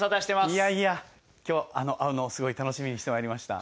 いやいや今日会うのをすごい楽しみにしてまいりました